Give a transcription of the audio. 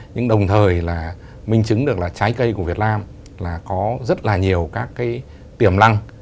nhưng đồng thời là minh chứng được là trái cây của việt nam là có rất là nhiều các cái tiềm năng